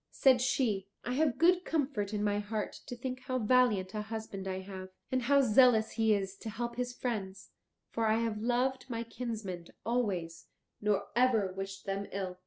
Said she, "I have good comfort in my heart to think how valiant a husband I have, and how zealous he is to help his friends, for I have loved my kinsmen always, nor ever wished them ill."